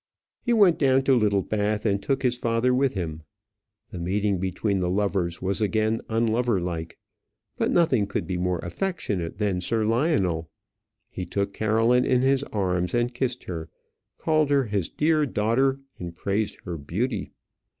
He went down to Littlebath, and took his father with him. The meeting between the lovers was again unloverlike; but nothing could be more affectionate than Sir Lionel. He took Caroline in his arms and kissed her, called her his dear daughter, and praised her beauty.